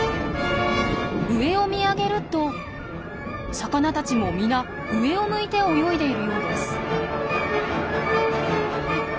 上を見上げると魚たちも皆上を向いて泳いでいるようです。